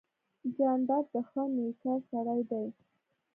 جانداد د ښه نویکر سړی دی.